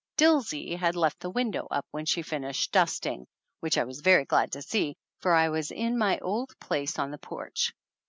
Dilsey had left the window up when she finished dusting, which I was very glad to see, for I was in my old place on the porch.